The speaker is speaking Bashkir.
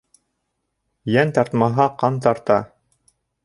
Йән тартмаһа, ҡан тарта.